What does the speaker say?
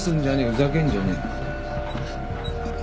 ふざけんじゃねえ。